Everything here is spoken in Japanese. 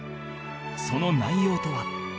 その内容とは